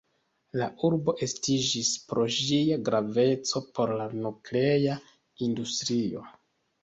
La urbo estiĝis pro ĝia graveco por la nuklea industrio.